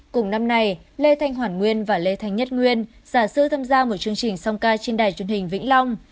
cùng năm nay lê thanh hoàn nguyên và lê thanh nhất nguyên giả sư tham gia một chương trình song ca trên đài truyền hình vĩnh long